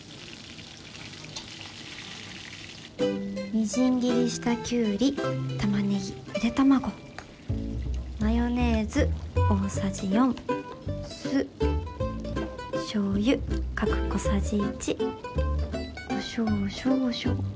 みじん切りしたキュウリタマネギゆで卵マヨネーズ大さじ４酢しょうゆ各小さじ１こしょう少々。